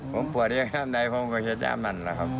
ผมปวดเอวแบบไหนผมก็แค่แจ้งมันแหละครับ